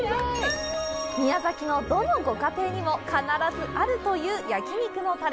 宮崎のどのご家庭にも必ずあるという焼肉のたれ！